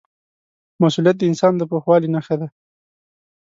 مسؤلیت د انسان د پوخوالي نښه ده.